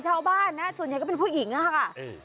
ชาวบ้านนะส่วนใหญ่ก็เป็นผู้หญิงอะค่ะ